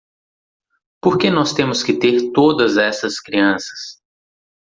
Por que nós temos que ter todas essas crianças?